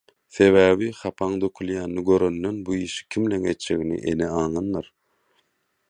Sebäbi, hapaň dökülýänini görenden bu işi kimleň etjegini ene aňandyr.